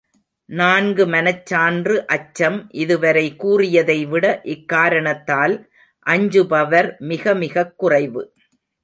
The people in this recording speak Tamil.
நான்கு மனச்சான்று அச்சம் இதுவரை கூறியதைவிட இக்காரணத்தால் அஞ்சுபவர் மிகமிகக் குறைவு.